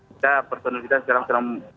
kita personalitas sekarang